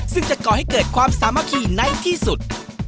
ซึ่งจะก่อให้เกิดความสามัคคีในที่สุด